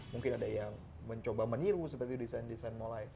mungkin ada yang mencoba meniru seperti desain desain mulai